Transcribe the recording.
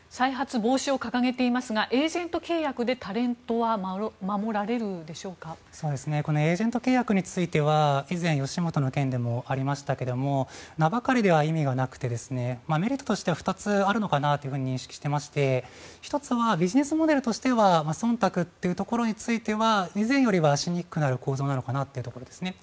再発防止を掲げていますがエージェント契約でこのエージェント契約については以前、吉本の件でもありましたが名ばかりでは意味がなくてメリットとしては２つあるのかなと認識していまして１つはビジネスモデルとしてはそんたくというところについては以前よりはしにくくなる構造なのかなというところですね。